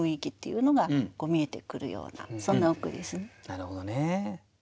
なるほどね。